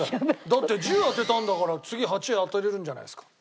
だって１０位当てたんだから次８位当てられるんじゃないですか？